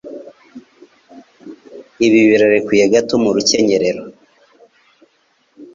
Ibi birarekuye gato mu rukenyerero.